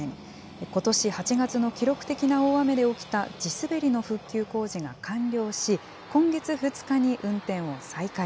ことし８月の記録的な大雨で起きた地滑りの復旧工事が完了し、今月２日に運転を再開。